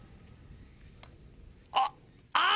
あっあっ！